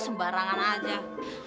kehidupan yang lebih baik